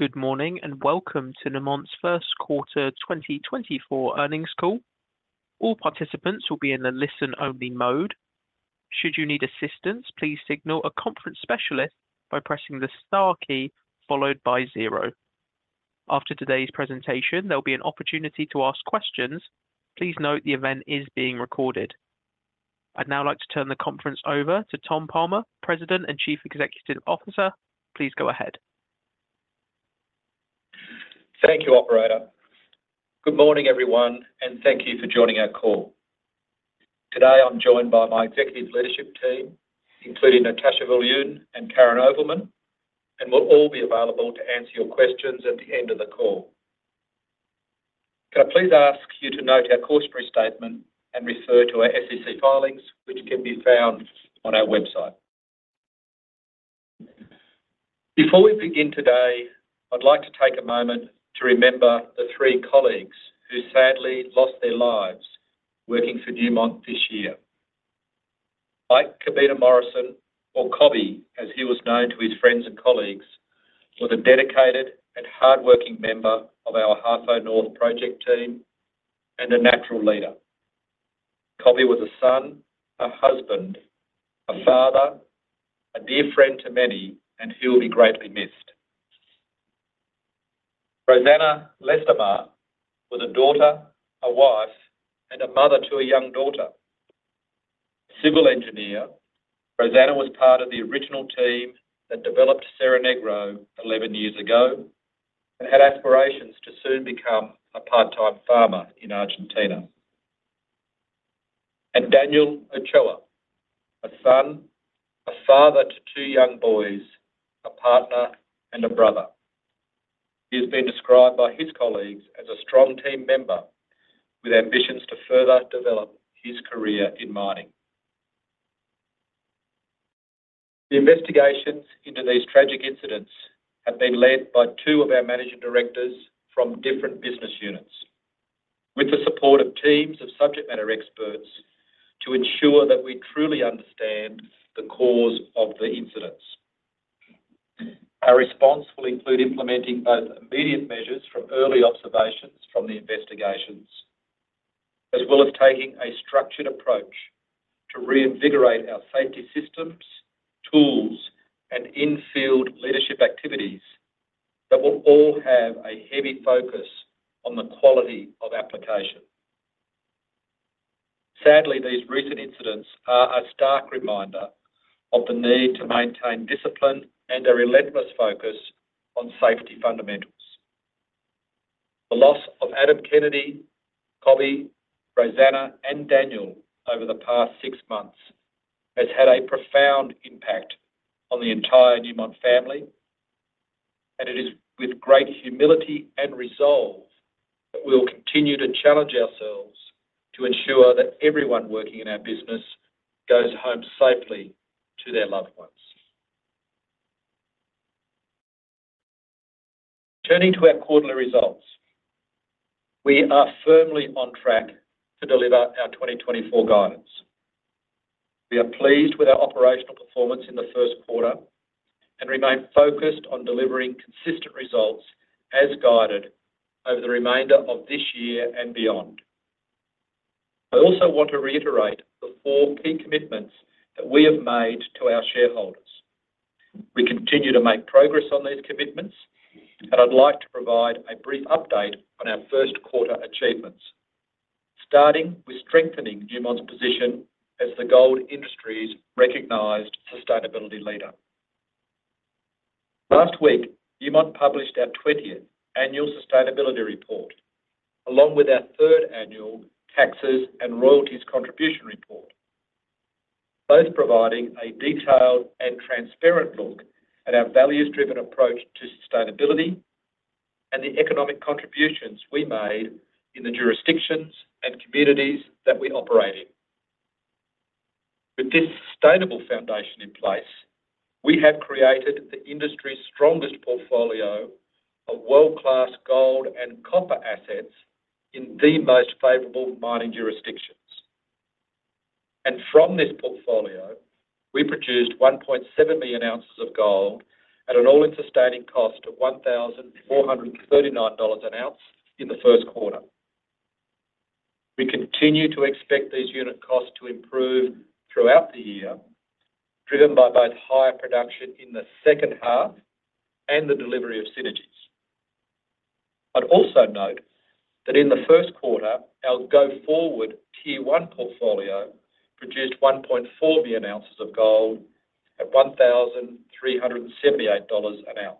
Good morning and welcome to Newmont's first quarter 2024 earnings call. All participants will be in a listen-only mode. Should you need assistance, please signal a conference specialist by pressing the star key followed by zero. After today's presentation, there'll be an opportunity to ask questions. Please note the event is being recorded. I'd now like to turn the conference over to Tom Palmer, President and Chief Executive Officer. Please go ahead. Thank you, Operator. Good morning, everyone, and thank you for joining our call. Today I'm joined by my executive leadership team, including Natascha Viljoen and Karyn Ovelmen, and we'll all be available to answer your questions at the end of the call. Can I please ask you to note our cautionary statement and refer to our SEC filings, which can be found on our website? Before we begin today, I'd like to take a moment to remember the three colleagues who sadly lost their lives working for Newmont this year. Ike Cobbina Morrison, or Cobe as he was known to his friends and colleagues, was a dedicated and hardworking member of our Ahafo North project team and a natural leader. Cobe was a son, a husband, a father, a dear friend to many, and he'll be greatly missed. Rosana Ledesma was a daughter, a wife, and a mother to a young daughter. Civil engineer, Rosana was part of the original team that developed Cerro Negro 11 years ago and had aspirations to soon become a part-time farmer in Argentina. Daniel Ochoa, a son, a father to two young boys, a partner, and a brother. He has been described by his colleagues as a strong team member with ambitions to further develop his career in mining. The investigations into these tragic incidents have been led by two of our managing directors from different business units, with the support of teams of subject matter experts to ensure that we truly understand the cause of the incidents. Our response will include implementing both immediate measures from early observations from the investigations, as well as taking a structured approach to reinvigorate our safety systems, tools, and in-field leadership activities that will all have a heavy focus on the quality of application. Sadly, these recent incidents are a stark reminder of the need to maintain discipline and a relentless focus on safety fundamentals. The loss of Adam Kennedy, Cobe, Rosana, and Daniel over the past six months has had a profound impact on the entire Newmont family, and it is with great humility and resolve that we'll continue to challenge ourselves to ensure that everyone working in our business goes home safely to their loved ones. Turning to our quarterly results, we are firmly on track to deliver our 2024 guidance. We are pleased with our operational performance in the first quarter and remain focused on delivering consistent results as guided over the remainder of this year and beyond. I also want to reiterate the four key commitments that we have made to our shareholders. We continue to make progress on these commitments, and I'd like to provide a brief update on our first quarter achievements, starting with strengthening Newmont's position as the gold industry's recognized sustainability leader. Last week, Newmont published our 20th Annual Sustainability Report along with our third annual Taxes and Royalties Contribution Report, both providing a detailed and transparent look at our values-driven approach to sustainability and the economic contributions we made in the jurisdictions and communities that we operate in. With this sustainable foundation in place, we have created the industry's strongest portfolio of world-class gold and copper assets in the most favorable mining jurisdictions. From this portfolio, we produced 1.7 million ounces of gold at an all-in sustaining cost of $1,439 an ounce in the first quarter. We continue to expect these unit costs to improve throughout the year, driven by both higher production in the second half and the delivery of synergies. I'd also note that in the first quarter, our go-forward Tier 1 portfolio produced 1.4 million ounces of gold at $1,378 an ounce.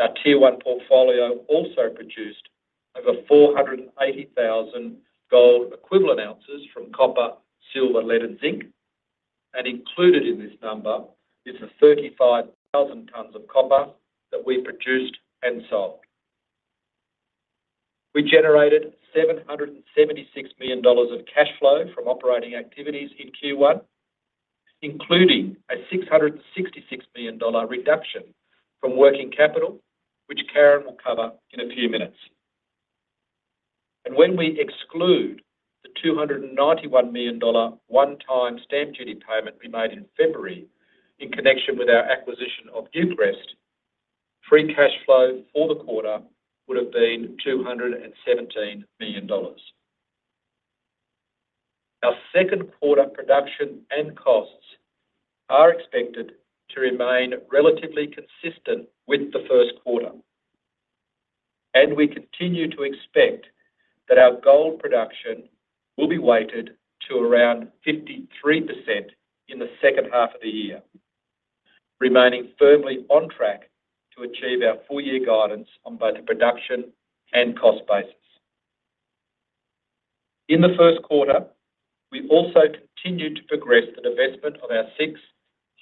Our Tier 1 portfolio also produced over 480,000 gold equivalent ounces from copper, silver, lead, and zinc, and included in this number is the 35,000 tons of copper that we produced and sold. We generated $776 million of cash flow from operating activities in Q1, including a $666 million reduction from working capital, which Karyn will cover in a few minutes. When we exclude the $291 million one-time stamp duty payment we made in February in connection with our acquisition of Newcrest, free cash flow for the quarter would have been $217 million. Our second quarter production and costs are expected to remain relatively consistent with the first quarter, and we continue to expect that our gold production will be weighted to around 53% in the second half of the year, remaining firmly on track to achieve our full-year guidance on both a production and cost basis. In the first quarter, we also continued to progress the divestment of our six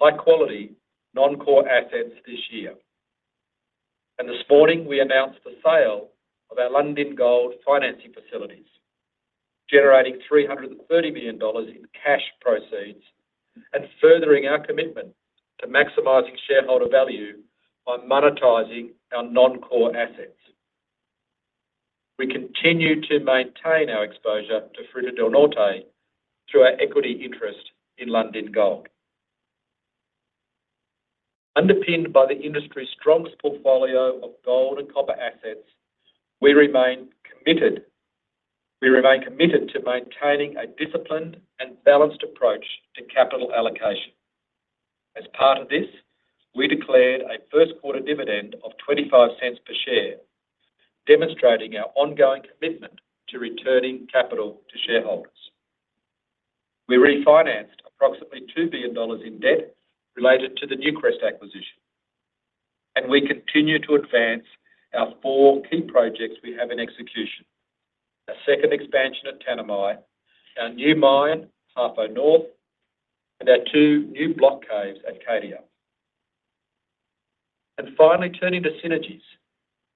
high-quality non-core assets this year. This morning, we announced the sale of our Lundin Gold financing facilities, generating $330 million in cash proceeds and furthering our commitment to maximizing shareholder value by monetizing our non-core assets. We continue to maintain our exposure to Fruta del Norte through our equity interest in Lundin Gold. Underpinned by the industry's strongest portfolio of gold and copper assets, we remain committed to maintaining a disciplined and balanced approach to capital allocation. As part of this, we declared a first-quarter dividend of $0.25 per share, demonstrating our ongoing commitment to returning capital to shareholders. We refinanced approximately $2 billion in debt related to the Newcrest acquisition, and we continue to advance our four key projects we have in execution: a second expansion at Tanami, our new mine Ahafo North, and our two new block caves at Cadia. And finally, turning to synergies,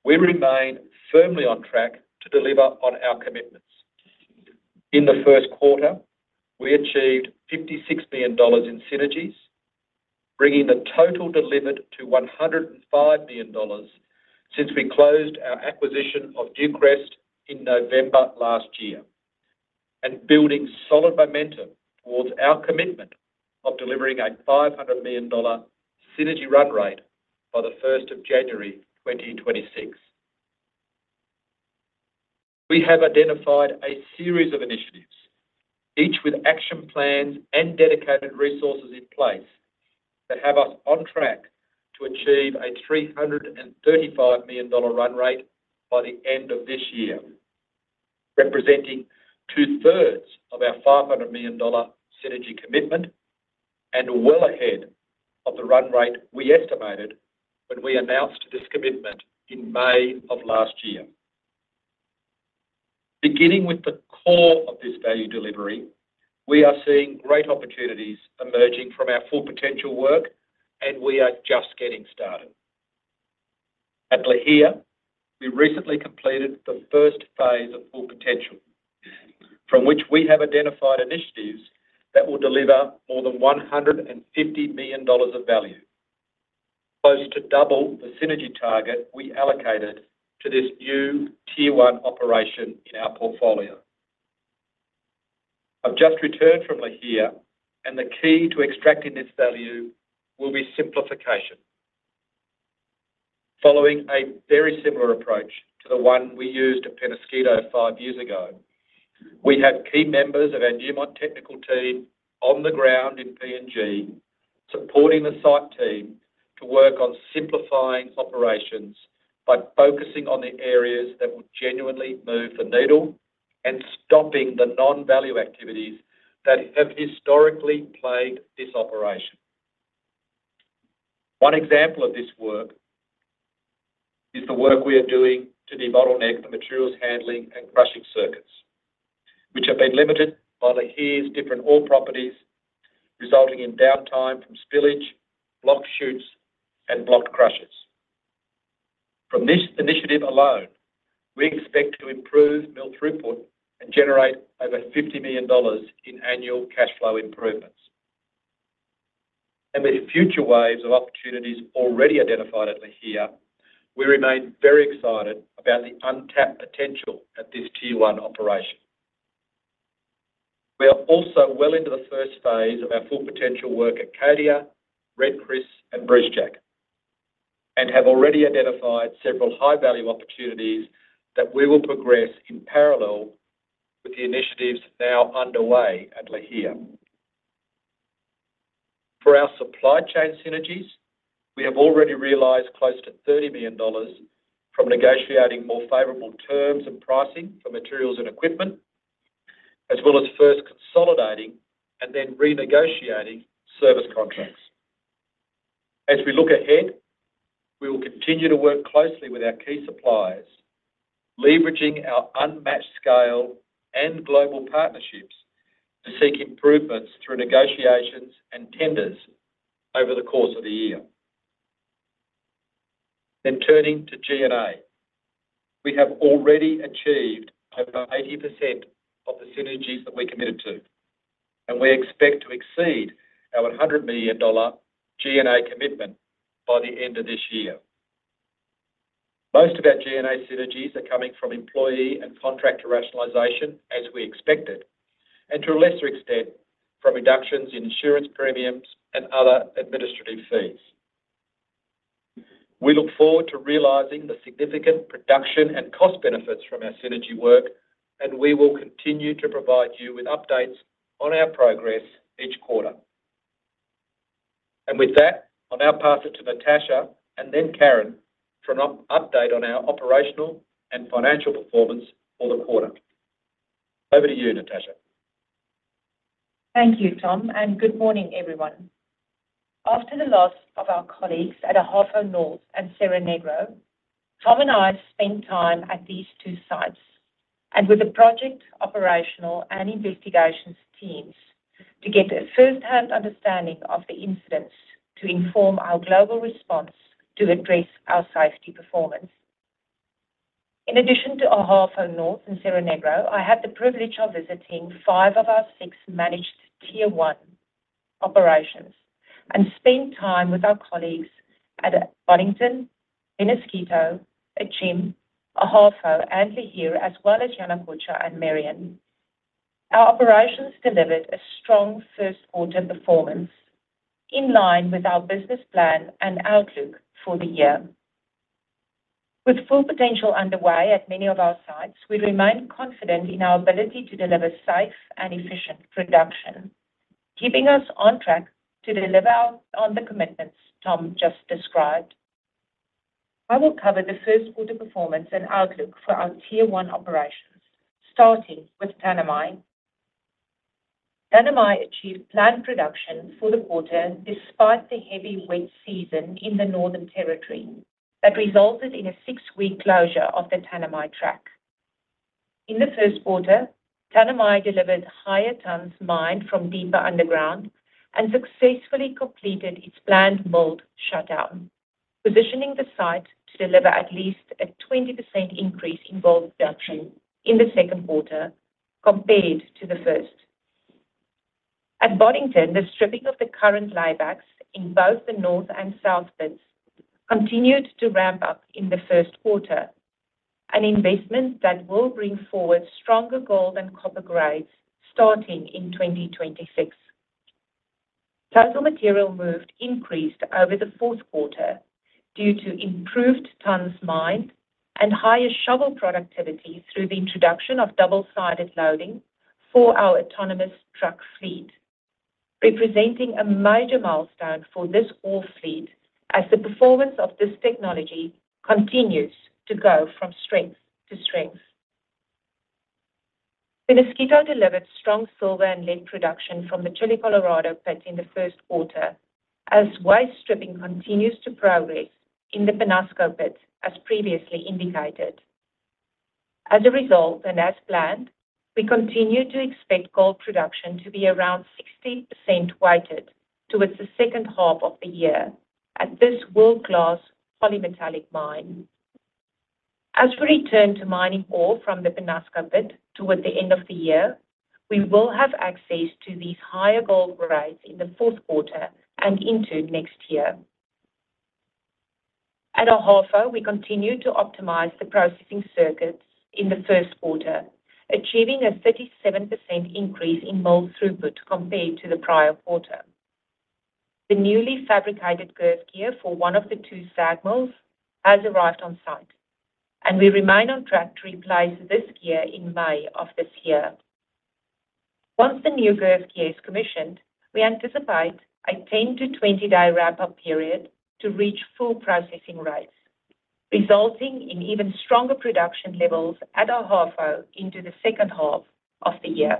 we remain firmly on track to deliver on our commitments. In the first quarter, we achieved $56 million in synergies, bringing the total delivered to $105 million since we closed our acquisition of Newcrest in November last year, and building solid momentum towards our commitment of delivering a $500 million synergy run rate by the 1st of January 2026. We have identified a series of initiatives, each with action plans and dedicated resources in place, that have us on track to achieve a $335 million run rate by the end of this year, representing two-thirds of our $500 million synergy commitment and well ahead of the run rate we estimated when we announced this commitment in May of last year. Beginning with the core of this value delivery, we are seeing great opportunities emerging from our Full Potential work, and we are just getting started. At Lihir, we recently completed the first phase of Full Potential, from which we have identified initiatives that will deliver more than $150 million of value, close to double the synergy target we allocated to this new Tier 1 operation in our portfolio. I've just returned from Lihir, and the key to extracting this value will be simplification. Following a very similar approach to the one we used at Peñasquito five years ago, we have key members of our Newmont technical team on the ground in PNG supporting the site team to work on simplifying operations by focusing on the areas that would genuinely move the needle and stopping the non-value activities that have historically plagued this operation. One example of this work is the work we are doing to debottleneck the materials handling and crushing circuits, which have been limited by Lihir's different ore properties, resulting in downtime from spillage, blocked chutes, and blocked crushers. From this initiative alone, we expect to improve mill throughput and generate over $50 million in annual cash flow improvements. With future waves of opportunities already identified at Lihir, we remain very excited about the untapped potential at this Tier 1 operation. We are also well into the first phase of our Full Potential work at Cadia, Red Chris, and Brucejack, and have already identified several high-value opportunities that we will progress in parallel with the initiatives now underway at Lihir. For our supply chain synergies, we have already realized close to $30 million from negotiating more favorable terms and pricing for materials and equipment, as well as first consolidating and then renegotiating service contracts. As we look ahead, we will continue to work closely with our key suppliers, leveraging our unmatched scale and global partnerships to seek improvements through negotiations and tenders over the course of the year. Then turning to G&A, we have already achieved over 80% of the synergies that we committed to, and we expect to exceed our $100 million G&A commitment by the end of this year. Most of our G&A synergies are coming from employee and contractor rationalization, as we expected, and to a lesser extent from reductions in insurance premiums and other administrative fees. We look forward to realizing the significant production and cost benefits from our synergy work, and we will continue to provide you with updates on our progress each quarter. And with that, I'll now pass it to Natascha and then Karyn for an update on our operational and financial performance for the quarter. Over to you, Natascha. Thank you, Tom, and good morning, everyone. After the loss of our colleagues at Ahafo North and Cerro Negro, Tom and I spent time at these two sites and with the project operational and investigations teams to get a firsthand understanding of the incidents to inform our global response to address our safety performance. In addition to Ahafo North and Cerro Negro, I had the privilege of visiting five of our six managed Tier 1 operations and spent time with our colleagues at Boddington, Peñasquito, Akyem, Ahafo, and Lihir, as well as Yanacocha and Merian. Our operations delivered a strong first-quarter performance in line with our business plan and outlook for the year. With Full Potential underway at many of our sites, we remain confident in our ability to deliver safe and efficient production, keeping us on track to deliver on the commitments Tom just described. I will cover the first-quarter performance and outlook for our Tier 1 operations, starting with Tanami. Tanami achieved planned production for the quarter despite the heavy wet season in the Northern Territory that resulted in a six-week closure of the Tanami Track. In the first quarter, Tanami delivered higher tonnes mined from deeper underground and successfully completed its planned mill shutdown, positioning the site to deliver at least a 20% increase in gold production in the second quarter compared to the first. At Boddington, the stripping of the current laybacks in both the north and south pits continued to ramp up in the first quarter, an investment that will bring forward stronger gold and copper grades starting in 2026. Total material movement increased over the fourth quarter due to improved tonnes mined and higher shovel productivity through the introduction of double-sided loading for our autonomous truck fleet, representing a major milestone for this haul fleet as the performance of this technology continues to go from strength to strength. Peñasquito delivered strong silver and lead production from the Chile Colorado pit in the first quarter, as waste stripping continues to progress in the Peñasco pit, as previously indicated. As a result and as planned, we continue to expect gold production to be around 60% weighted towards the second half of the year at this world-class polymetallic mine. As we return to mining ore from the Peñasco pit toward the end of the year, we will have access to these higher gold grades in the fourth quarter and into next year. At Ahafo, we continue to optimize the processing circuits in the first quarter, achieving a 37% increase in mill throughput compared to the prior quarter. The newly fabricated girth gear for one of the two SAG mills has arrived on site, and we remain on track to replace this gear in May of this year. Once the new girth gear is commissioned, we anticipate a 10-day to 20-day wrap-up period to reach full processing rates, resulting in even stronger production levels at Ahafo into the second half of the year.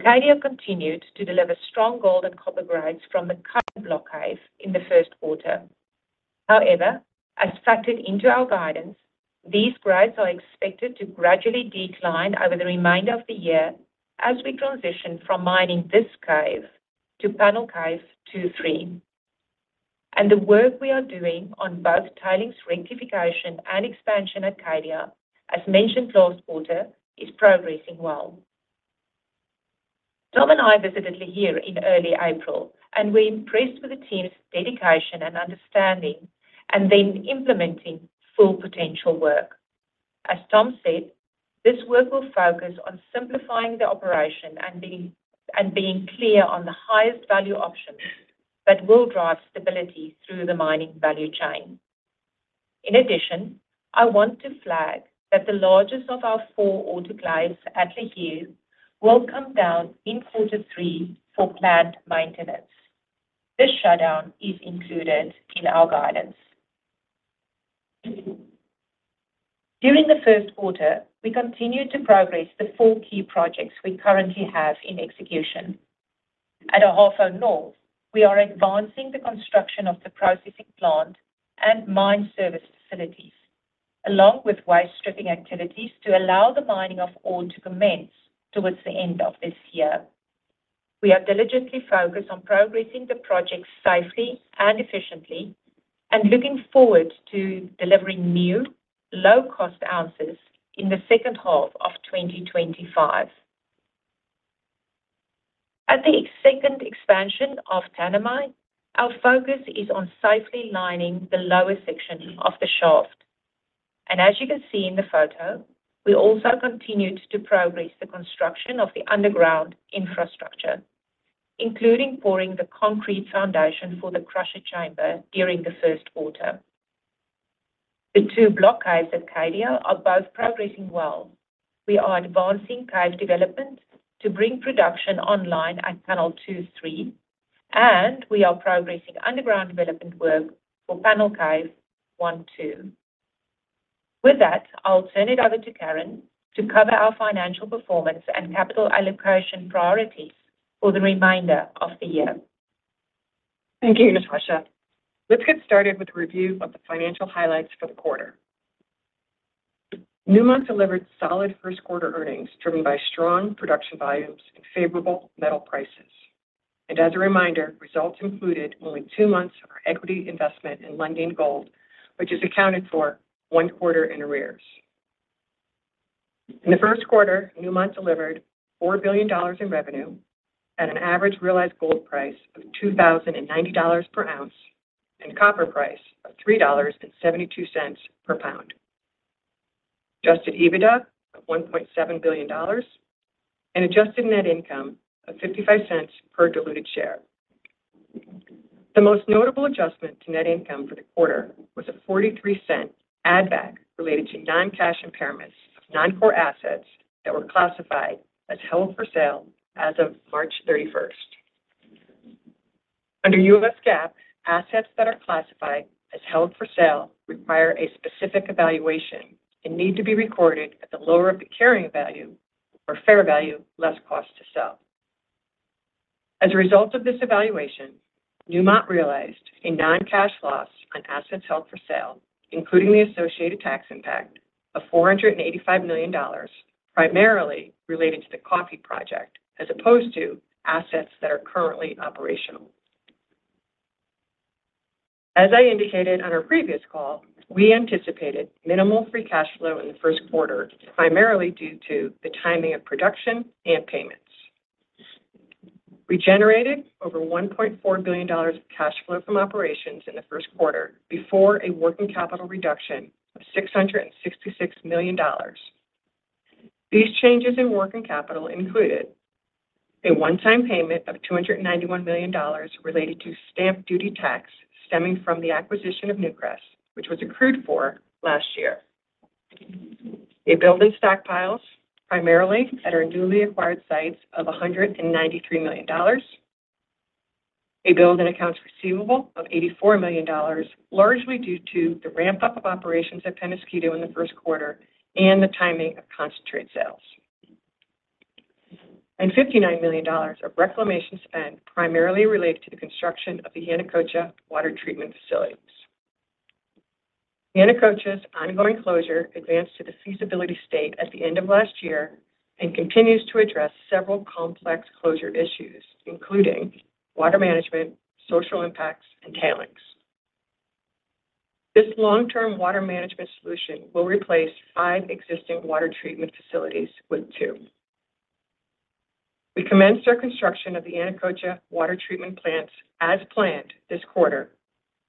Cadia continued to deliver strong gold and copper grades from the current block cave in the first quarter. However, as factored into our guidance, these grades are expected to gradually decline over the remainder of the year as we transition from mining this cave to Panel Cave 2-3. The work we are doing on both tailings rectification and expansion at Cadia, as mentioned last quarter, is progressing well. Tom and I visited Lihir in early April, and we're impressed with the team's dedication and understanding and then implementing Full Potential work. As Tom said, this work will focus on simplifying the operation and being clear on the highest value options that will drive stability through the mining value chain. In addition, I want to flag that the largest of our four autoclaves at Lihir will come down in quarter three for planned maintenance. This shutdown is included in our guidance. During the first quarter, we continue to progress the four key projects we currently have in execution. At Ahafo North, we are advancing the construction of the processing plant and mine service facilities, along with waste stripping activities to allow the mining of ore to commence towards the end of this year. We are diligently focused on progressing the project safely and efficiently and looking forward to delivering new low-cost ounces in the second half of 2025. At the second expansion of Tanami, our focus is on safely lining the lower section of the shaft. As you can see in the photo, we also continued to progress the construction of the underground infrastructure, including pouring the concrete foundation for the crusher chamber during the first quarter. The two Block Caves at Cadia are both progressing well. We are advancing cave development to bring production online at Panel 2-3, and we are progressing underground development work for Panel Cave 1-2. With that, I'll turn it over to Karyn to cover our financial performance and capital allocation priorities for the remainder of the year. Thank you, Natascha. Let's get started with a review of the financial highlights for the quarter. Newmont delivered solid first-quarter earnings driven by strong production volumes and favorable metal prices. As a reminder, results included only two months of our equity investment in Lundin Gold, which is accounted for one quarter in arrears. In the first quarter, Newmont delivered $4 billion in revenue at an average realized gold price of $2,090 per ounce and copper price of $3.72 per pound, adjusted EBITDA of $1.7 billion, and adjusted net income of $0.55 per diluted share. The most notable adjustment to net income for the quarter was a $0.43 add-back related to non-cash impairments of non-core assets that were classified as held for sale as of March 31st. Under U.S. GAAP, assets that are classified as held for sale require a specific evaluation and need to be recorded at the lower of the carrying value or fair value less cost to sell. As a result of this evaluation, Newmont realized a non-cash loss on assets held for sale, including the associated tax impact of $485 million, primarily related to the Coffee Project as opposed to assets that are currently operational. As I indicated on our previous call, we anticipated minimal free cash flow in the first quarter, primarily due to the timing of production and payments. We generated over $1.4 billion of cash flow from operations in the first quarter before a working capital reduction of $666 million. These changes in working capital included a one-time payment of $291 million related to stamp duty tax stemming from the acquisition of Newcrest, which was accrued for last year, a build in stockpiles primarily at our newly acquired sites of $193 million, a build in accounts receivable of $84 million, largely due to the ramp-up of operations at Peñasquito in the first quarter and the timing of concentrate sales, and $59 million of reclamation spend primarily related to the construction of the Yanacocha water treatment facilities. Yanacocha's ongoing closure advanced to the feasibility state at the end of last year and continues to address several complex closure issues, including water management, social impacts, and tailings. This long-term water management solution will replace five existing water treatment facilities with two. We commenced our construction of the Yanacocha water treatment plants as planned this quarter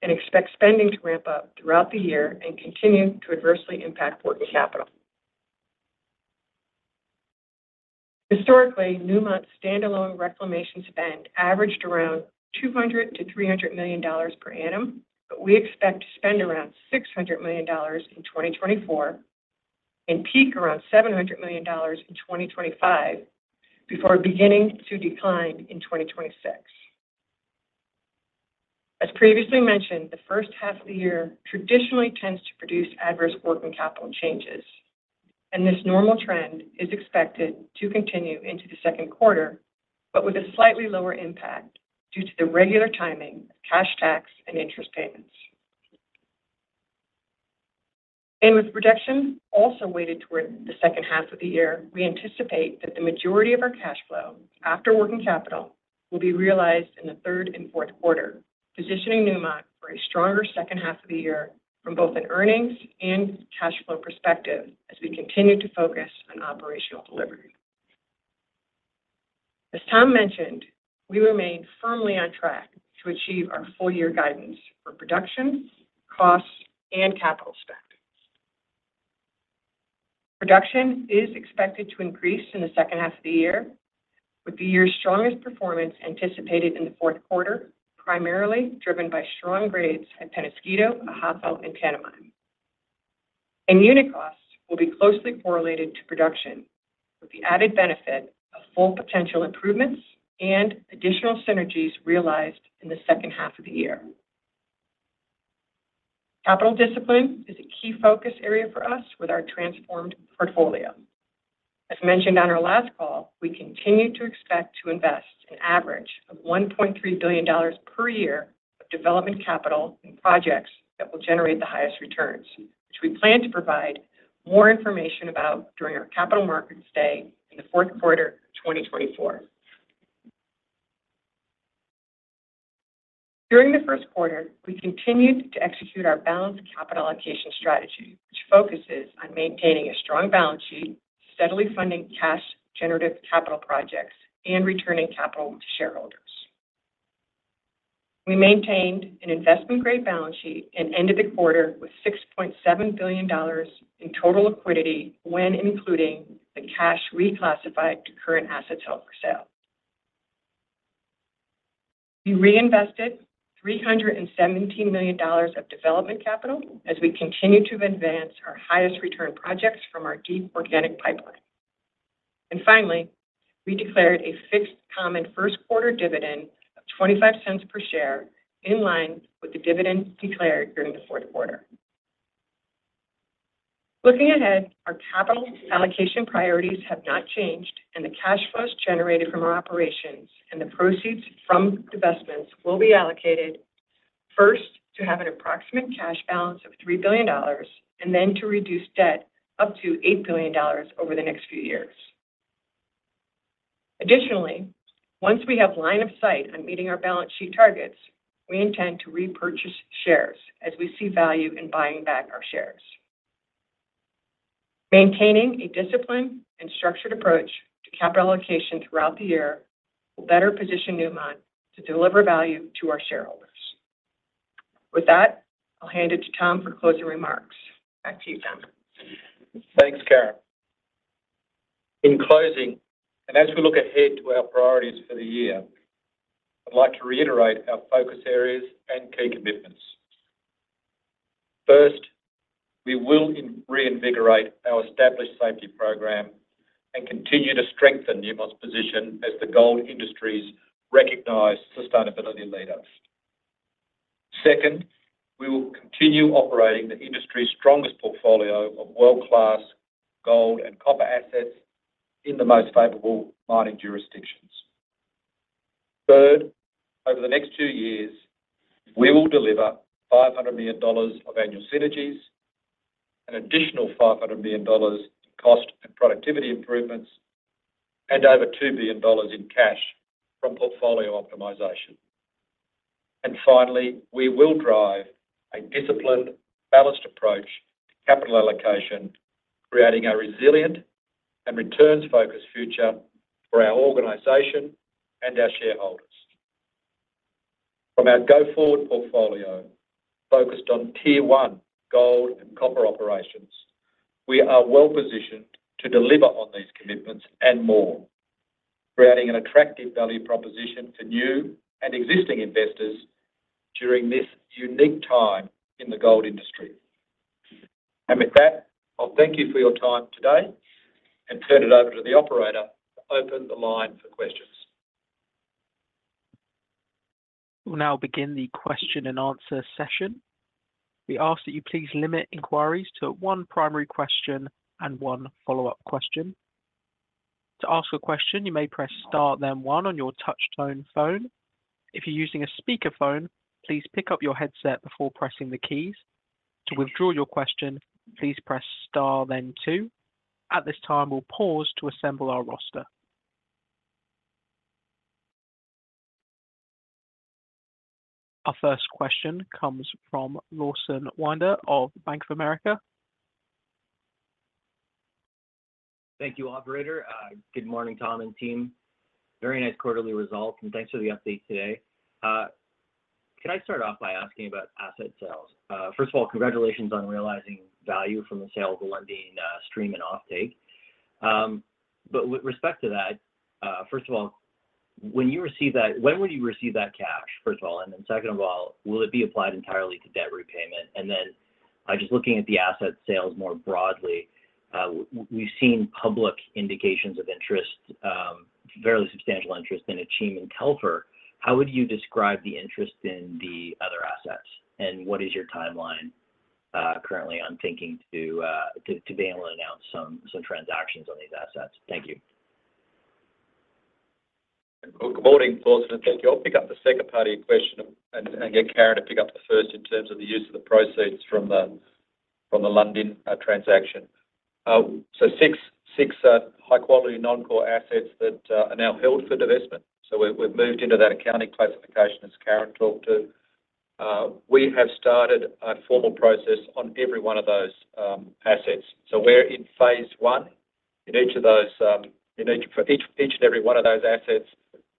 and expect spending to ramp up throughout the year and continue to adversely impact working capital. Historically, Newmont's standalone reclamation spend averaged around $200 million-$300 million per annum, but we expect to spend around $600 million in 2024 and peak around $700 million in 2025 before beginning to decline in 2026. As previously mentioned, the first half of the year traditionally tends to produce adverse working capital changes, and this normal trend is expected to continue into the second quarter, but with a slightly lower impact due to the regular timing of cash tax and interest payments. And with production also weighted toward the second half of the year, we anticipate that the majority of our cash flow after working capital will be realized in the third and fourth quarter, positioning Newmont for a stronger second half of the year from both an earnings and cash flow perspective as we continue to focus on operational delivery. As Tom mentioned, we remain firmly on track to achieve our full-year guidance for production, costs, and capital spend. Production is expected to increase in the second half of the year, with the year's strongest performance anticipated in the fourth quarter, primarily driven by strong grades at Peñasquito, Ahafo, and Tanami. And unit costs will be closely correlated to production, with the added benefit of Full Potential improvements and additional synergies realized in the second half of the year. Capital discipline is a key focus area for us with our transformed portfolio. As mentioned on our last call, we continue to expect to invest an average of $1.3 billion per year of development capital in projects that will generate the highest returns, which we plan to provide more information about during our Capital Markets Day in the fourth quarter of 2024. During the first quarter, we continued to execute our balanced capital allocation strategy, which focuses on maintaining a strong balance sheet, steadily funding cash-generative capital projects, and returning capital to shareholders. We maintained an investment-grade balance sheet and ended the quarter with $6.7 billion in total liquidity when including the cash reclassified to current assets held for sale. We reinvested $317 million of development capital as we continue to advance our highest return projects from our deep organic pipeline. And finally, we declared a fixed common first-quarter dividend of $0.25 per share in line with the dividend declared during the fourth quarter. Looking ahead, our capital allocation priorities have not changed, and the cash flows generated from our operations and the proceeds from investments will be allocated first to have an approximate cash balance of $3 billion and then to reduce debt up to $8 billion over the next few years. Additionally, once we have line of sight on meeting our balance sheet targets, we intend to repurchase shares as we see value in buying back our shares. Maintaining a disciplined and structured approach to capital allocation throughout the year will better position Newmont to deliver value to our shareholders. With that, I'll hand it to Tom for closing remarks. Back to you, Tom. Thanks, Karyn. In closing, and as we look ahead to our priorities for the year, I'd like to reiterate our focus areas and key commitments. First, we will reinvigorate our established safety program and continue to strengthen Newmont's position as the gold industry's recognized sustainability leader. Second, we will continue operating the industry's strongest portfolio of world-class gold and copper assets in the most favorable mining jurisdictions. Third, over the next two years, we will deliver $500 million of annual synergies, an additional $500 million in cost and productivity improvements, and over $2 billion in cash from portfolio optimization. And finally, we will drive a disciplined, balanced approach to capital allocation, creating a resilient and returns-focused future for our organization and our shareholders. From our go-forward portfolio focused on Tier 1 gold and copper operations, we are well-positioned to deliver on these commitments and more, creating an attractive value proposition for new and existing investors during this unique time in the gold industry. And with that, I'll thank you for your time today and turn it over to the operator to open the line for questions. We'll now begin the question and answer session. We ask that you please limit inquiries to one primary question and one follow-up question. To ask a question, you may press star, then one on your touch-tone phone. If you're using a speakerphone, please pick up your headset before pressing the keys. To withdraw your question, please press star, then two. At this time, we'll pause to assemble our roster. Our first question comes from Lawson Winder of Bank of America. Thank you, operator. Good morning, Tom and team. Very nice quarterly results, and thanks for the update today. Can I start off by asking about asset sales? First of all, congratulations on realizing value from the sale of the Lundin stream and offtake. But with respect to that, first of all, when you receive that, when will you receive that cash, first of all? And then second of all, will it be applied entirely to debt repayment? And then just looking at the asset sales more broadly, we've seen public indications of interest, fairly substantial interest in Akyem and Telfer. How would you describe the interest in the other assets, and what is your timeline currently on thinking to deal and announce some transactions on these assets? Thank you. Good morning, Lawson. And thank you. I'll pick up the second-party question and get Karyn to pick up the first in terms of the use of the proceeds from the Lundin transaction. So six high-quality non-core assets that are now held for investment. So we've moved into that accounting classification as Karyn talked to. We have started a formal process on every one of those assets. So we're in phase 1 in each of those for each and every one of those assets.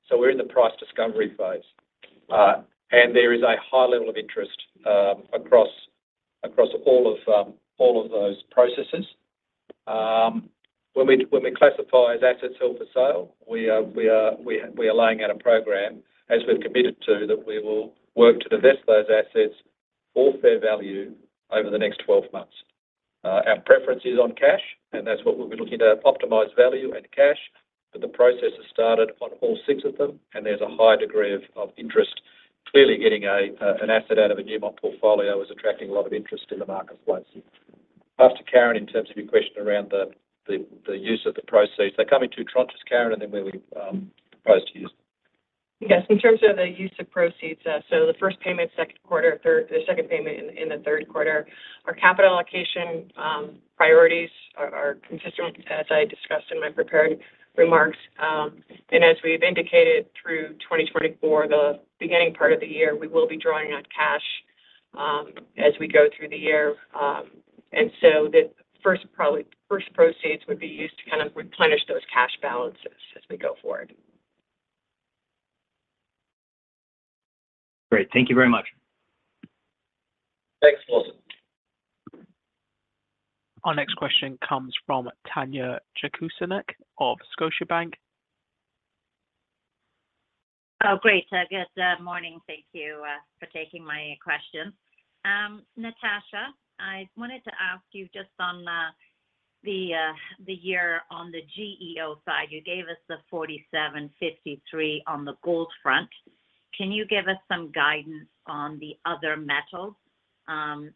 So we're in the price discovery phase. And there is a high level of interest across all of those processes. When we classify as assets held for sale, we are laying out a program as we've committed to that we will work to divest those assets for fair value over the next 12 months. Our preference is on cash, and that's what we'll be looking to optimize value and cash. The process has started on all six of them, and there's a high degree of interest. Clearly, getting an asset out of a Newmont portfolio is attracting a lot of interest in the marketplace. After Karyn, in terms of your question around the use of the proceeds, they're coming in two tranches, Karyn, and then where we propose to use them. Yes. In terms of the use of proceeds, so the first payment, second quarter, the second payment in the third quarter, our capital allocation priorities are consistent, as I discussed in my prepared remarks. As we've indicated, through 2024, the beginning part of the year, we will be drawing on cash as we go through the year. So the first proceeds would be used to kind of replenish those cash balances as we go forward. Great. Thank you very much. Thanks, Lawson. Our next question comes from Tanya Jakusconek of Scotiabank. Oh, great. Good morning. Thank you for taking my question. Natascha, I wanted to ask you just on the year on the GEO side. You gave us the 47, 53 on the gold front. Can you give us some guidance on the other metals,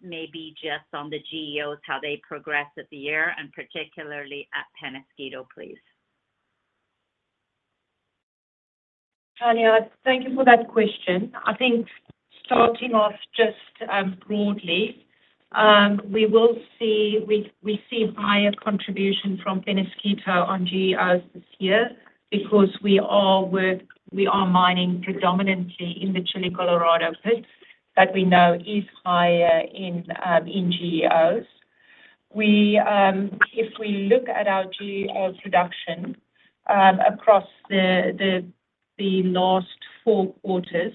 maybe just on the GEOs, how they progressed this year and particularly at Peñasquito, please? Tanya, thank you for that question. I think starting off just broadly, we see higher contribution from Peñasquito on GEOs this year because we are mining predominantly in the Chile Colorado pit that we know is higher in GEOs. If we look at our GEO production across the last four quarters,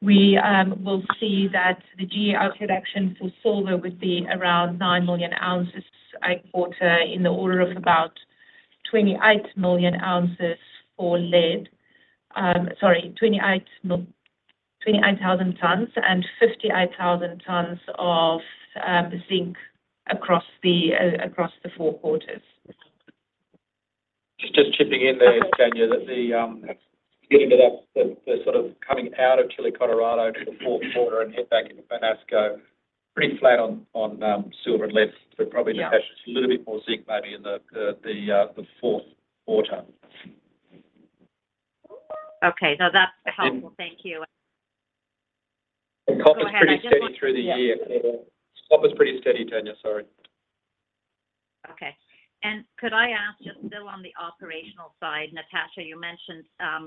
we will see that the GEO production for silver would be around 9 million ounces a quarter in the order of about 28 million ounces for lead—sorry, 28,000 tons and 58,000 tons of zinc across the four quarters. Just chipping in there, Tanya, that we get into the sort of coming out of Chile Colorado to the fourth quarter and head back into Peñasco pretty flat on silver and lead. But probably, Natascha, it's a little bit more zinc maybe in the fourth quarter. Okay. No, that's helpful. Thank you. And copper's pretty steady through the year. Copper's pretty steady, Tanya. Sorry. Okay. And could I ask, just still on the operational side, Natascha, you mentioned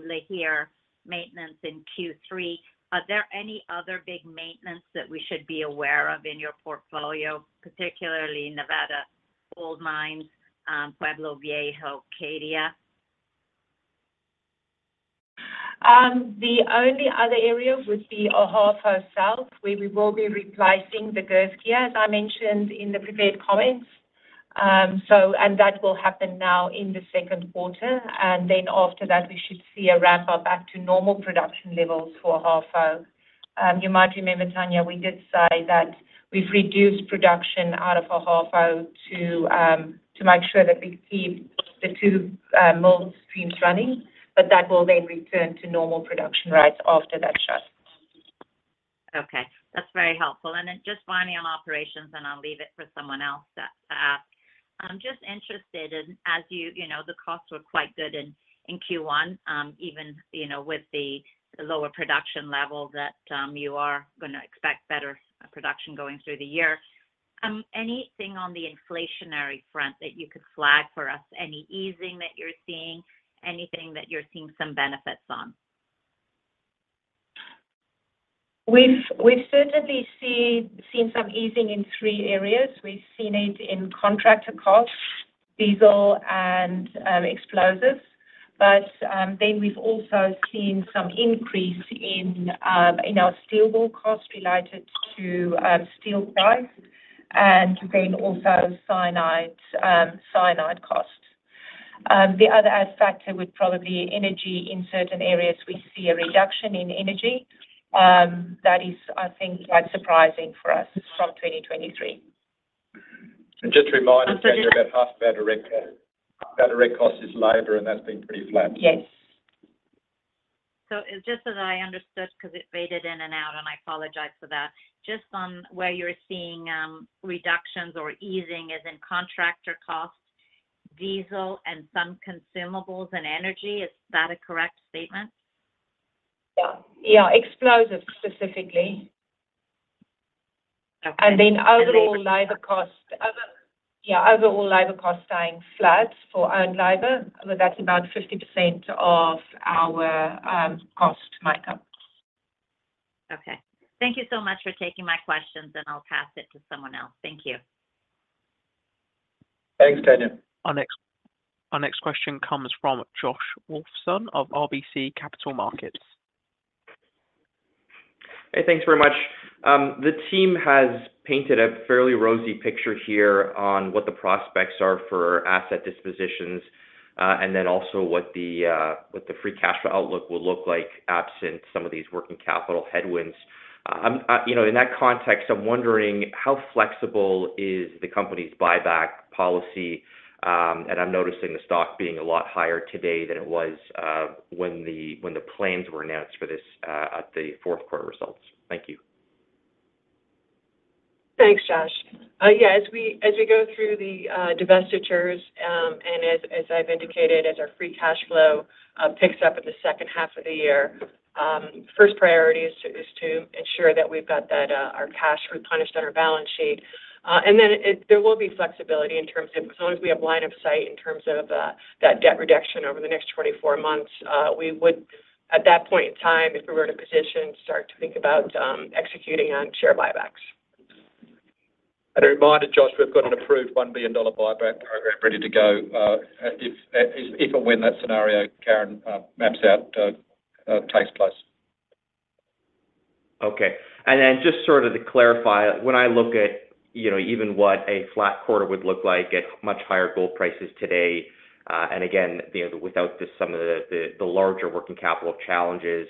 Lihir maintenance in Q3. Are there any other big maintenance that we should be aware of in your portfolio, particularly Nevada Gold Mines, Pueblo Viejo, Cadia? The only other area would be Ahafo South where we will be replacing the girth gear, as I mentioned in the prepared comments. And that will happen now in the second quarter. And then after that, we should see a ramp-up back to normal production levels for Ahafo. You might remember, Tanya, we did say that we've reduced production out of Ahafo to make sure that we keep the two gold streams running, but that will then return to normal production rates after that shut. Okay. That's very helpful. And just one on operations, and I'll leave it for someone else to ask. I'm just interested in, as you know, the costs were quite good in Q1, even with the lower production level, that you are going to expect better production going through the year. Anything on the inflationary front that you could flag for us? Any easing that you're seeing? Anything that you're seeing some benefits on? We've certainly seen some easing in three areas. We've seen it in contractor costs, diesel, and explosives. But then we've also seen some increase in our steel ball costs related to steel price and then also cyanide costs. The other added factor would probably be energy. In certain areas, we see a reduction in energy. That is, I think, quite surprising for us from 2023. And just to remind us, Tanya, about half of our direct cost is labor, and that's been pretty flat. Yes. So just as I understood because it faded in and out, and I apologize for that, just on where you're seeing reductions or easing is in contractor costs, diesel, and some consumables and energy, is that a correct statement? Yeah. Yeah. Explosives specifically. And then overall, labor costs yeah. Overall, labor costs staying flat for owned labor. That's about 50% of our cost makeup. Okay. Thank you so much for taking my questions, and I'll pass it to someone else. Thank you. Thanks, Tanya. Our next question comes from Josh Wolfson of RBC Capital Markets. Hey, thanks very much. The team has painted a fairly rosy picture here on what the prospects are for asset dispositions and then also what the free cash flow outlook will look like absent some of these working capital headwinds. In that context, I'm wondering how flexible is the company's buyback policy. And I'm noticing the stock being a lot higher today than it was when the plans were announced at the fourth quarter results. Thank you. Thanks, Josh. Yeah. As we go through the divestitures and as I've indicated, as our free cash flow picks up in the second half of the year, first priority is to ensure that we've got our cash replenished on our balance sheet. And then there will be flexibility as long as we have line of sight in terms of that debt reduction over the next 24 months. At that point in time, if we were to position, start to think about executing on share buybacks. And a reminder, Josh, we've got an approved $1 billion buyback program ready to go if and when that scenario, Karyn, maps out takes place. Okay. And then just sort of to clarify, when I look at even what a flat quarter would look like at much higher gold prices today and again, without some of the larger working capital challenges,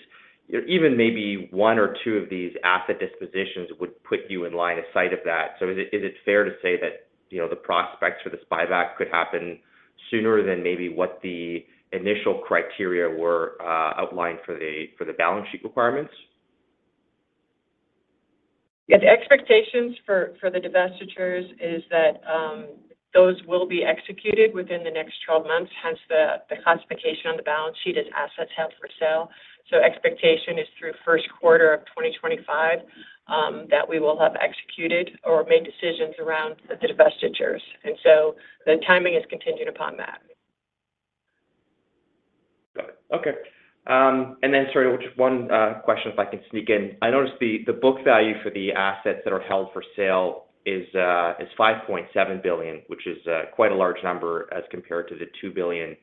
even maybe one or two of these asset dispositions would put you in line of sight of that. So is it fair to say that the prospects for this buyback could happen sooner than maybe what the initial criteria were outlined for the balance sheet requirements? The expectations for the divestitures is that those will be executed within the next 12 months. Hence, the classification on the balance sheet as assets held for sale. So expectation is through first quarter of 2025 that we will have executed or made decisions around the divestitures. And so the timing is contingent upon that. Got it. Okay. Then sort of just one question if I can sneak in. I noticed the book value for the assets that are held for sale is $5.7 billion, which is quite a large number as compared to the $2 billion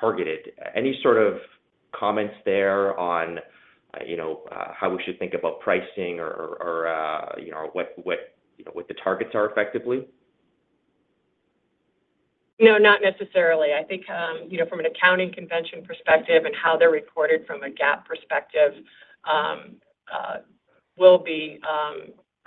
targeted. Any sort of comments there on how we should think about pricing or what the targets are effectively? No, not necessarily. I think from an accounting convention perspective and how they're reported from a GAAP perspective will be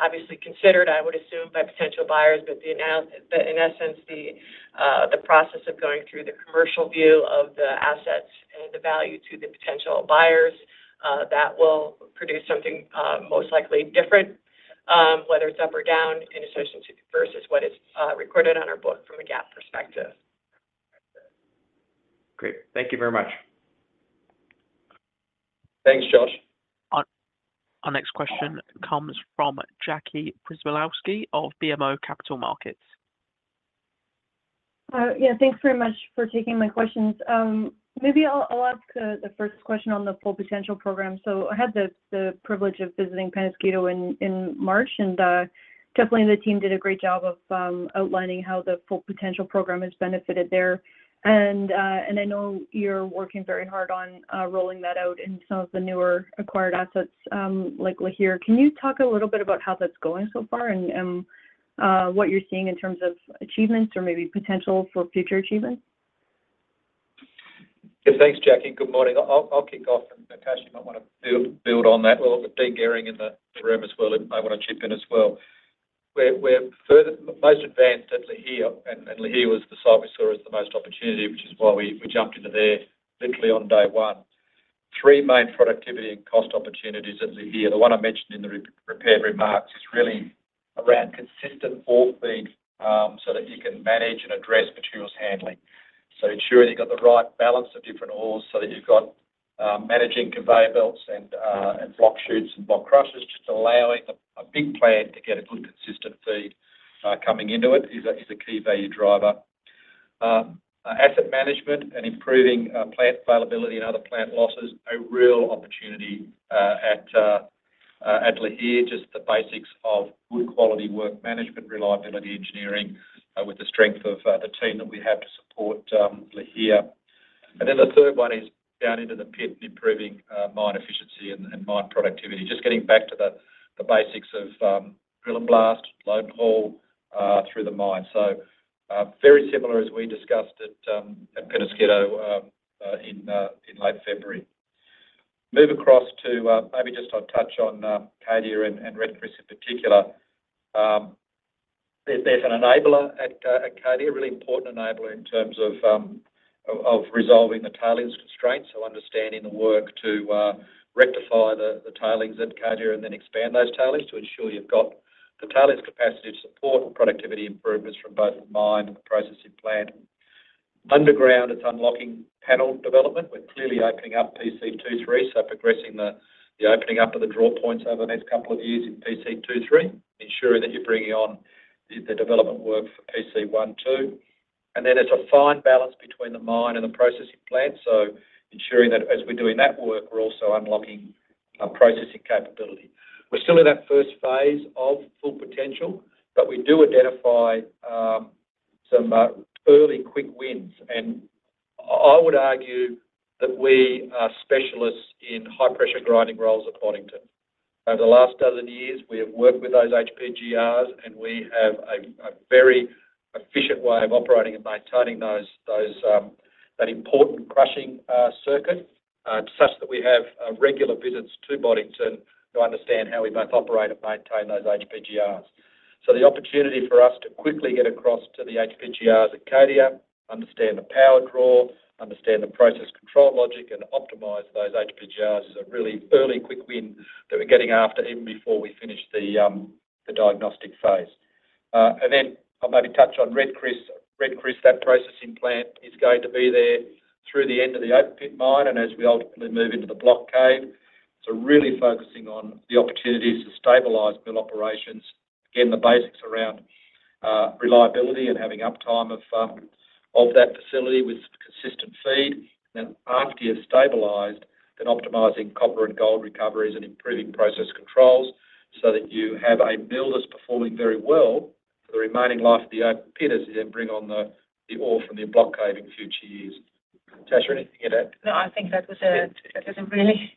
obviously considered, I would assume, by potential buyers. But in essence, the process of going through the commercial view of the assets and the value to the potential buyers, that will produce something most likely different, whether it's up or down, versus what is recorded on our book from a GAAP perspective. Great. Thank you very much. Thanks, Josh. Our next question comes from Jackie Przybylowski of BMO Capital Markets. Yeah. Thanks very much for taking my questions. Maybe I'll ask the first question on the Full Potential program. So I had the privilege of visiting Peñasquito in March, and definitely, the team did a great job of outlining how the Full Potential program has benefited there. And I know you're working very hard on rolling that out in some of the newer acquired assets like Lihir. Can you talk a little bit about how that's going so far and what you're seeing in terms of achievements or maybe potential for future achievements? Yeah. Thanks, Jackie. Good morning. I'll kick off. And Natascha, you might want to build on that. Well, with Dean Gehring in the room as well, I want to chip in as well. We're most advanced at Lihir, and Lihir was the site we saw as the most opportunity, which is why we jumped into there literally on day one. Three main productivity and cost opportunities at Lihir. The one I mentioned in the prepared remarks is really around consistent ore feed so that you can manage and address materials handling. So ensuring you've got the right balance of different ores so that you've got managing conveyor belts and blocked chutes and blockedcrushers, just allowing a big plant to get a good consistent feed coming into it is a key value driver. Asset management and improving plant availability and other plant losses, a real opportunity at Lihir, just the basics of good quality work management, reliability engineering with the strength of the team that we have to support Lihir. And then the third one is down into the pit and improving mine efficiency and mine productivity, just getting back to the basics of drill and blast, load haul through the mine. So very similar as we discussed at Peñasquito in late February. Move across to maybe just touch on Cadia and Red Chris in particular. There's an enabler at Cadia, a really important enabler in terms of resolving the tailings constraints, so understanding the work to rectify the tailings at Cadia and then expand those tailings to ensure you've got the tailings capacity to support productivity improvements from both the mine and the processing plant. Underground, it's unlocking panel development. We're clearly opening up PC2-3, so progressing the opening up of the draw points over the next couple of years in PC2-3, ensuring that you're bringing on the development work for PC1-2. Then it's a fine balance between the mine and the processing plant, so ensuring that as we're doing that work, we're also unlocking processing capability. We're still in that first phase of Full Potential, but we do identify some early quick wins. I would argue that we are specialists in high-pressure grinding rolls at Boddington. Over the last dozen years, we have worked with those HPGRs, and we have a very efficient way of operating and maintaining that important crushing circuit such that we have regular visits to Boddington to understand how we both operate and maintain those HPGRs. So the opportunity for us to quickly get across to the HPGRs at Cadia, understand the power draw, understand the process control logic, and optimize those HPGRs is a really early quick win that we're getting after even before we finish the diagnostic phase. And then I'll maybe touch on Red Chris. Red Chris, that processing plant, is going to be there through the end of the open pit mine and as we ultimately move into the block cave. So really focusing on the opportunities to stabilize mill operations, again, the basics around reliability and having uptime of that facility with consistent feed. And then after you've stabilized, then optimizing copper and gold recoveries and improving process controls so that you have a mill that's performing very well for the remaining life of the open pit as you then bring on the ore from the block cave in future years. Natascha, anything to add? No, I think that was a really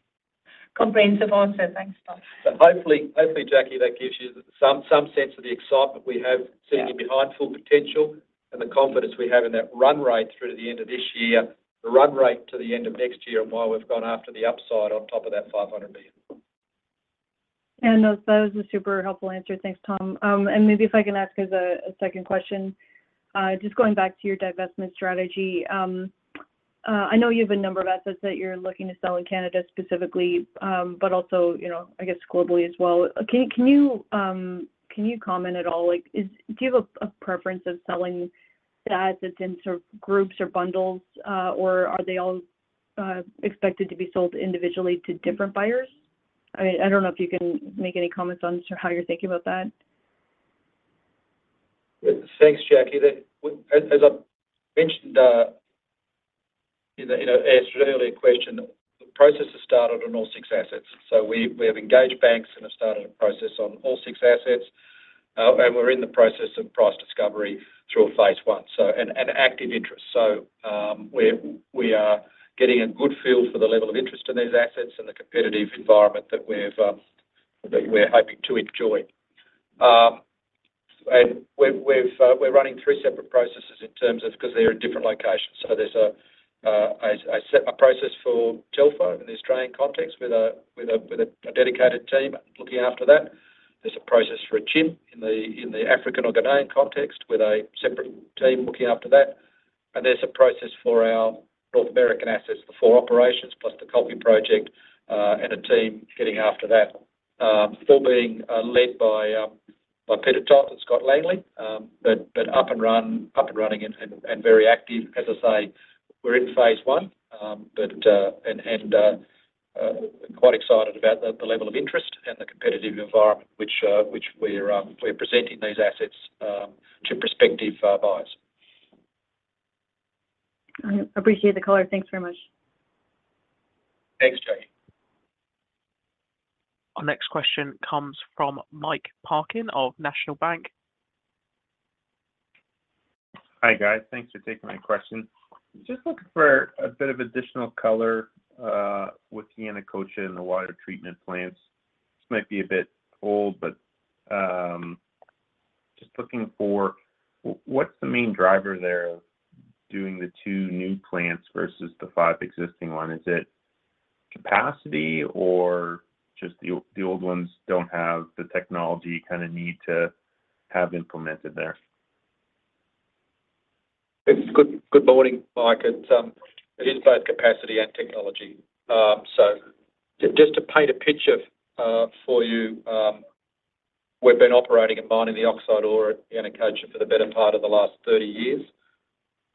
comprehensive answer. Thanks, Tom. But hopefully, Jackie, that gives you some sense of the excitement we have sitting in behind Full Potential and the confidence we have in that run rate through to the end of this year, the run rate to the end of next year, and why we've gone after the upside on top of that $500 billion. Yeah. No, that was a super helpful answer. Thanks, Tom. And maybe if I can ask as a second question, just going back to your divestment strategy, I know you have a number of assets that you're looking to sell in Canada specifically, but also, I guess, globally as well. Can you comment at all? Do you have a preference of selling the assets in sort of groups or bundles, or are they all expected to be sold individually to different buyers? I mean, I don't know if you can make any comments on sort of how you're thinking about that. Thanks, Jackie. As I mentioned in an earlier question, the process has started on all six assets. So we have engaged banks and have started a process on all six assets, and we're in the process of price discovery through phase one and active interest. So we are getting a good feel for the level of interest in these assets and the competitive environment that we're hoping to enjoy. And we're running three separate processes because they're in different locations. So there's a process for Telfer in the Australian context with a dedicated team looking after that. There's a process for Akyem in the African or Ghanaian context with a separate team looking after that. There's a process for our North American assets, the four operations plus the Coffee Project and a team getting after that, all being led by Peter Toth and Scott Langley, but up and running and very active. As I say, we're in phase one and quite excited about the level of interest and the competitive environment which we're presenting these assets to prospective buyers. I appreciate the color. Thanks very much. Thanks, Jackie. Our next question comes from Mike Parkin of National Bank. Hi, guys. Thanks for taking my question. Just looking for a bit of additional color with Yanacocha and the water treatment plants. This might be a bit old, but just looking for what's the main driver there of doing the two new plants versus the five existing ones? Is it capacity, or just the old ones don't have the technology you kind of need to have implemented there? Good morning, Mike. It is both capacity and technology. So just to paint a picture for you, we've been operating and mining the oxide ore at Yanacocha for the better part of the last 30 years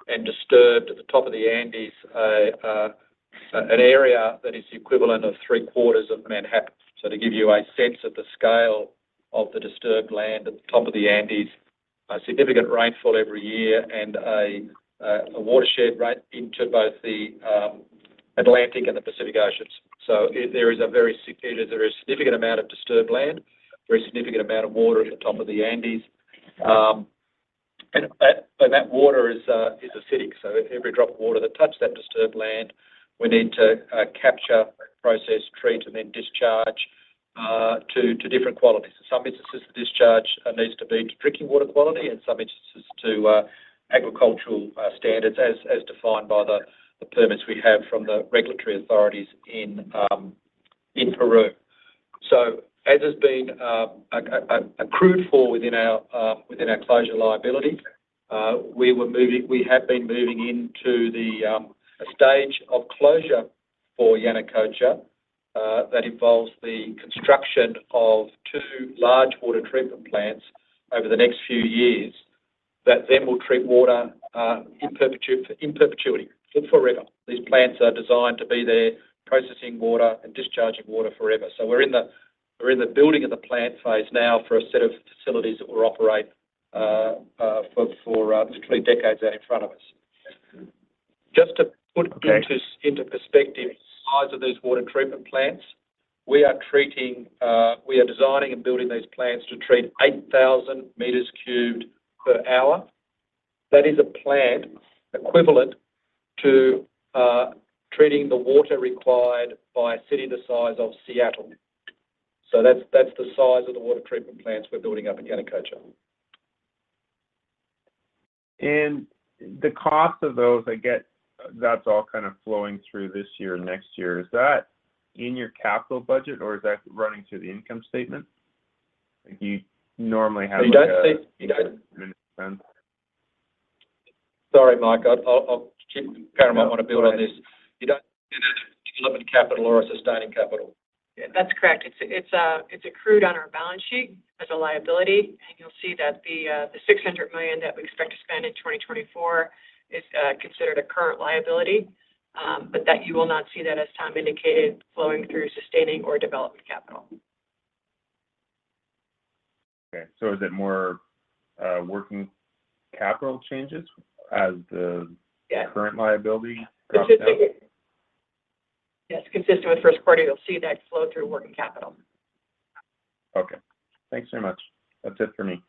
and disturbed at the top of the Andes, an area that is the equivalent of three-quarters of Manhattan. So to give you a sense of the scale of the disturbed land at the top of the Andes, significant rainfall every year and a watershed rate into both the Atlantic and the Pacific Oceans. So there is a very significant amount of disturbed land, a very significant amount of water at the top of the Andes. And that water is acidic. So every drop of water that touches that disturbed land, we need to capture, process, treat, and then discharge to different qualities. In some instances, the discharge needs to be to drinking water quality and some instances to agricultural standards as defined by the permits we have from the regulatory authorities in Peru. So as has been accrued for within our closure liability, we have been moving into a stage of closure for Yanacocha that involves the construction of two large water treatment plants over the next few years that then will treat water in perpetuity forever. These plants are designed to be there processing water and discharging water forever. So we're in the building of the plant phase now for a set of facilities that will operate for literally decades out in front of us. Just to put into perspective the size of these water treatment plants, we are designing and building these plants to treat 8,000 cu m per hour. That is a plant equivalent to treating the water required by a city the size of Seattle. So that's the size of the water treatment plants we're building up at Yanacocha. And the cost of those, I get that's all kind of flowing through this year and next year. Is that in your capital budget, or is that running through the income statement? You normally have a development expense. Sorry, Mike. Karyn might want to build on this. You don't spend it on development capital or a sustaining capital. That's correct. It's accrued on our balance sheet as a liability. And you'll see that the $600 million that we expect to spend in 2024 is considered a current liability, but that you will not see that as time indicated flowing through sustaining or development capital. Okay. So is it more working capital changes as the current liability drops down? Yes. Consistent with first quarter, you'll see that flow through working capital. Okay. Thanks very much. That's it for me.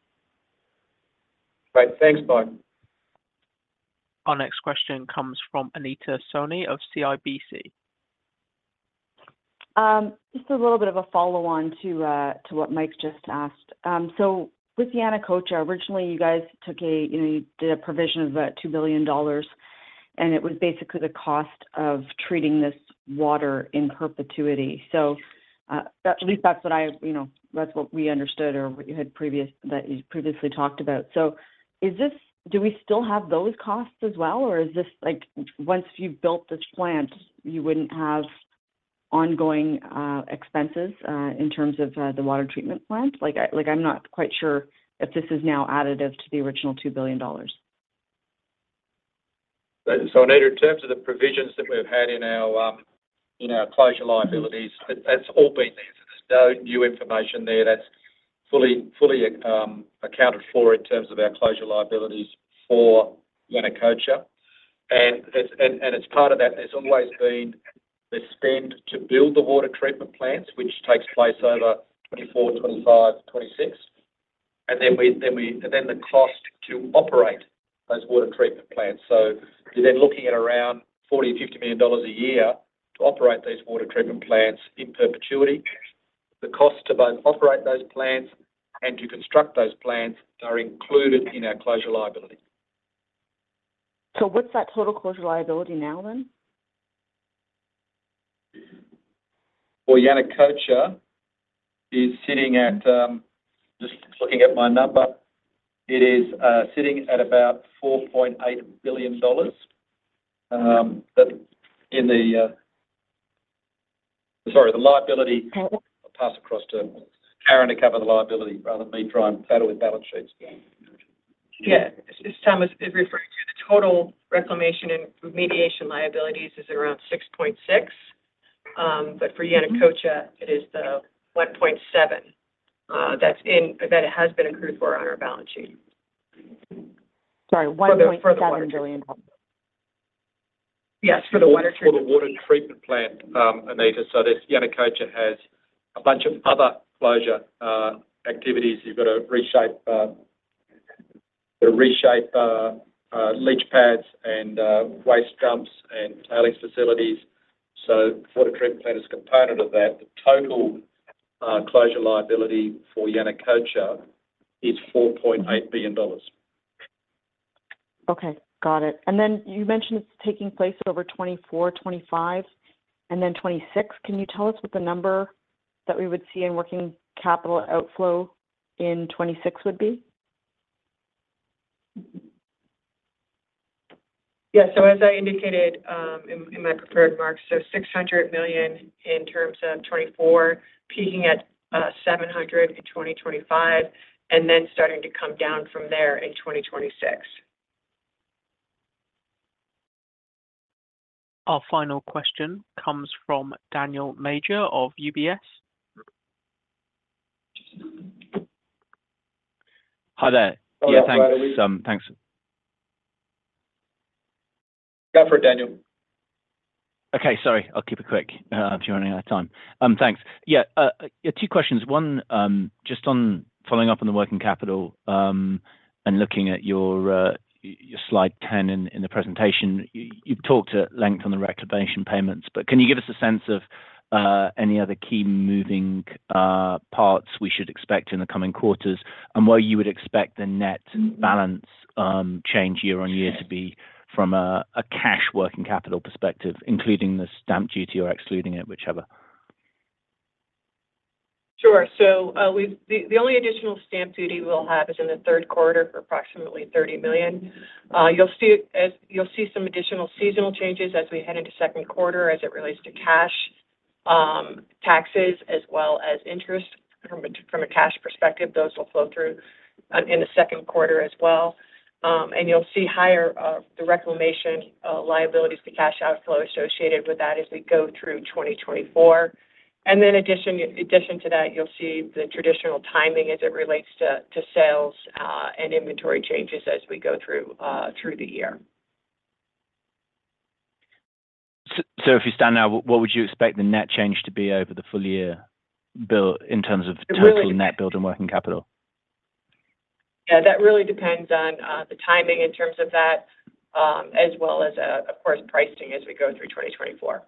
Right. Thanks, Mike. Our next question comes from Anita Soni of CIBC. Just a little bit of a follow-on to what Mike just asked. So with Yanacocha, originally, you guys took a you did a provision of $2 billion, and it was basically the cost of treating this water in perpetuity. So at least that's what I that's what we understood or what you had previously talked about. So do we still have those costs as well, or is this once you've built this plant, you wouldn't have ongoing expenses in terms of the water treatment plant? I'm not quite sure if this is now additive to the original $2 billion. So in other terms, the provisions that we've had in our closure liabilities, that's all been there. So there's no new information there. That's fully accounted for in terms of our closure liabilities for Yanacocha. And as part of that, there's always been the spend to build the water treatment plants, which takes place over 2024, 2025, 2026, and then the cost to operate those water treatment plants. So you're then looking at around $40 million-$50 million a year to operate these water treatment plants in perpetuity. The cost to both operate those plants and to construct those plants are included in our closure liability. So what's that total closure liability now then? For Yanacocha, it's sitting at—just looking at my number—it is sitting at about $4.8 billion in the—sorry, the liability. I'll pass across to Karyn to cover the liability rather than me trying to tackle with balance sheets. Yeah. As Tom was referring to, the total reclamation and remediation liabilities is around $6.6 billion, but for Yanacocha, it is the $1.7 billion that has been accrued for on our balance sheet. Sorry, $1.7 billion. Yes, for the water treatment. For the water treatment plant, Anita, so Yanacocha has a bunch of other closure activities. You've got to reshape leach pads and waste dumps and tailings facilities. So the water treatment plant is a component of that. The total closure liability for Yanacocha is $4.8 billion. Okay. Got it. And then you mentioned it's taking place over 2024, 2025, and then 2026. Can you tell us what the number that we would see in working capital outflow in 2026 would be? Yeah. So as I indicated in my prepared remarks, $600 million in 2024, peaking at $700 million in 2025, and then starting to come down from there in 2026. Our final question comes from Daniel Major of UBS. Hi there. Yeah, thanks. Thanks. Go for it, Daniel. Okay. Sorry. I'll keep it quick if you want any other time. Thanks. Yeah. Two questions. One, just following up on the working capital and looking at your slide 10 in the presentation, you've talked at length on the reclamation payments, but can you give us a sense of any other key moving parts we should expect in the coming quarters and where you would expect the net balance change year-on-year to be from a cash working capital perspective, including the stamp duty or excluding it, whichever? Sure. So the only additional stamp duty we'll have is in the third quarter for approximately $30 million. You'll see some additional seasonal changes as we head into second quarter as it relates to cash, taxes, as well as interest. From a cash perspective, those will flow through in the second quarter as well. You'll see higher of the reclamation liabilities, the cash outflow associated with that as we go through 2024. And then in addition to that, you'll see the traditional timing as it relates to sales and inventory changes as we go through the year. So if you stand now, what would you expect the net change to be over the full year in terms of total net build and working capital? Yeah. That really depends on the timing in terms of that as well as, of course, pricing as we go through 2024.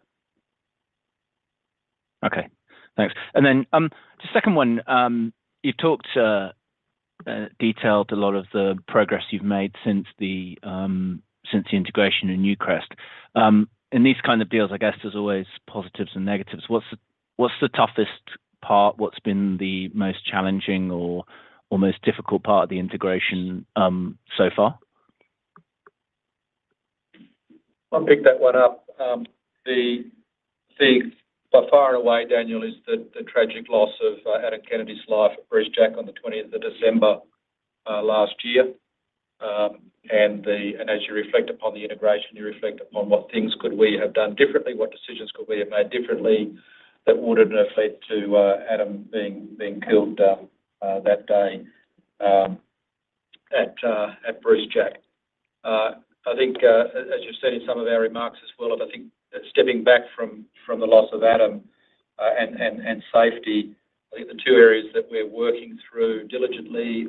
Okay. Thanks. And then just second one, you've talked detailed a lot of the progress you've made since the integration in Newcrest. In these kind of deals, I guess there's always positives and negatives. What's the toughest part? What's been the most challenging or most difficult part of the integration so far? I'll pick that one up. By far and away, Daniel, is the tragic loss of Adam Kennedy's life, Brucejack, on the 20th of December last year. As you reflect upon the integration, you reflect upon what things could we have done differently, what decisions could we have made differently that wouldn't have led to Adam being killed that day at Brucejack. I think, as you've said in some of our remarks as well, I think stepping back from the loss of Adam and safety, I think the two areas that we're working through diligently,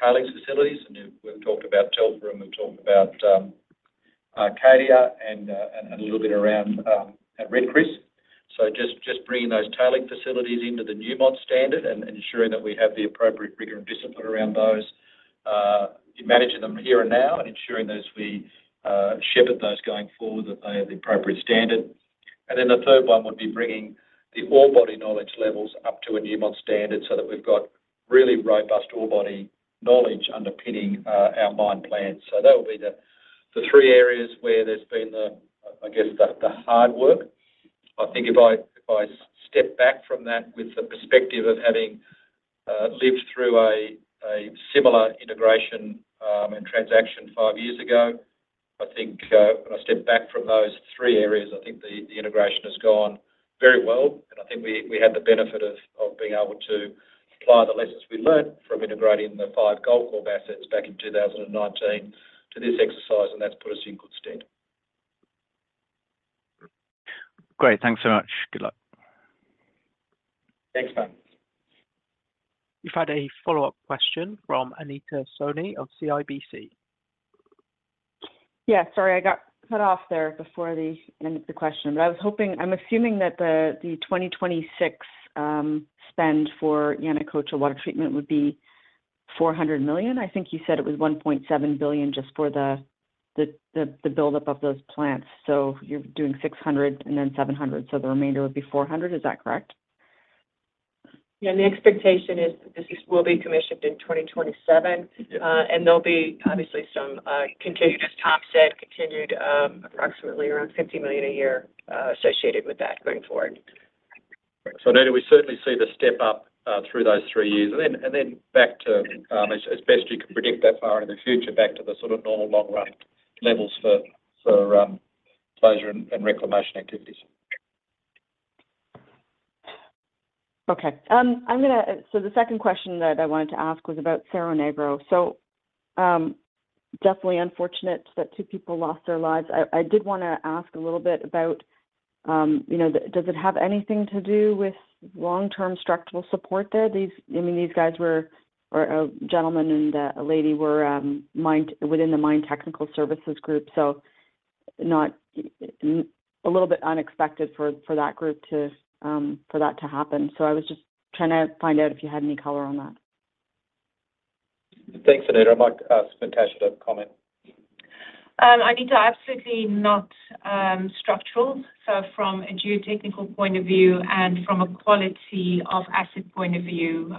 tailings facilities. We've talked about Telfer, and we've talked about Cadia and a little bit around at Red Chris. So just bringing those tailings facilities into the Newmont standard and ensuring that we have the appropriate rigor and discipline around those, managing them here and now, and ensuring as we shepherd those going forward that they are the appropriate standard. And then the third one would be bringing the ore body knowledge levels up to a Newmont standard so that we've got really robust ore body knowledge underpinning our mine plans. So that will be the three areas where there's been, I guess, the hard work. I think if I step back from that with the perspective of having lived through a similar integration and transaction five years ago, I think when I step back from those three areas, I think the integration has gone very well. And I think we had the benefit of being able to apply the lessons we learned from integrating the five Goldcorp assets back in 2019 to this exercise, and that's put us in good stead. Great. Thanks so much. Good luck. Thanks, Mike. We've had a follow-up question from Anita Soni of CIBC. Yeah. Sorry, I got cut off there before the end of the question. But I was hoping I'm assuming that the 2026 spend for Yanacocha water treatment would be $400 million. I think you said it was $1.7 billion just for the buildup of those plants. So you're doing $600 million and then $700 million. So the remainder would be $400 million. Is that correct? Yeah. And the expectation is that this will be commissioned in 2027, and there'll be obviously some continued, as Tom said, continued approximately around $50 million a year associated with that going forward. So now, we do certainly see the step up through those three years. And then back to as best you can predict that far into the future, back to the sort of normal long-run levels for closure and reclamation activities. Okay. So the second question that I wanted to ask was about Cerro Negro. So definitely unfortunate that two people lost their lives. I did want to ask a little bit about does it have anything to do with long-term structural support there? I mean, these guys were or a gentleman and a lady were within the Mine Technical Services Group, so a little bit unexpected for that group to, for that to happen. So I was just trying to find out if you had any color on that. Thanks, Anita. I'd like Natascha to comment. Anita, absolutely not structural. So from a geotechnical point of view and from a quality of asset point of view,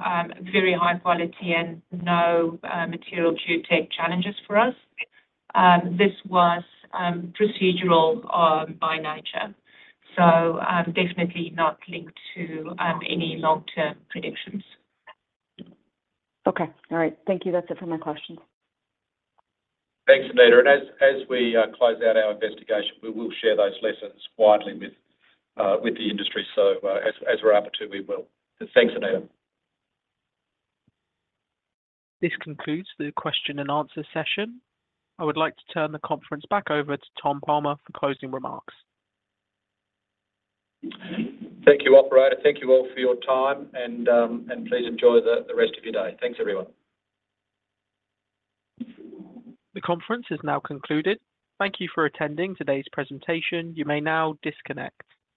very high quality and no material geotech challenges for us. This was procedural by nature, so definitely not linked to any long-term predictions. Okay. All right. Thank you. That's it for my questions. Thanks, Anita. As we close out our investigation, we will share those lessons widely with the industry. So as we're able to, we will. Thanks, Anita. This concludes the question and answer session. I would like to turn the conference back over to Tom Palmer for closing remarks. Thank you, operator. Thank you all for your time, and please enjoy the rest of your day. Thanks, everyone. The conference is now concluded. Thank you for attending today's presentation. You may now disconnect.